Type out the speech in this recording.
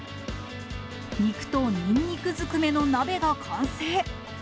肉とニンニクずくめの鍋が完成。